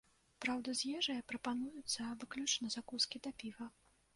Праўда, з ежы прапануюцца выключна закускі да піва.